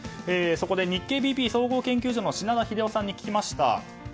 日経ＢＰ総合研究所の品田英雄さんに聞きました。